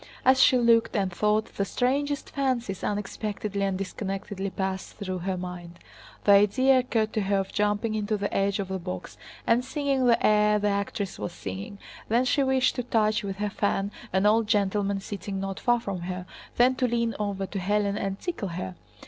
As she looked and thought, the strangest fancies unexpectedly and disconnectedly passed through her mind: the idea occurred to her of jumping onto the edge of the box and singing the aria the actress was singing, then she wished to touch with her fan an old gentleman sitting not far from her, then to lean over to Hélène and tickle her.